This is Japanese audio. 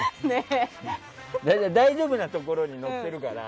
大丈夫なところに乗ってるから。